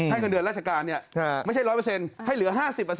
เงินเดือนราชการไม่ใช่๑๐๐ให้เหลือ๕๐